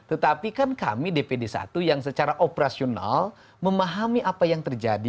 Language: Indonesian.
tetapi kan kami dpd satu yang secara operasional memahami apa yang terjadi